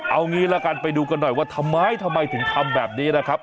เอางี้ละกันไปดูกันหน่อยว่าทำไมทำไมถึงทำแบบนี้นะครับ